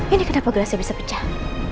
ini kenapa gelasnya bisa pecah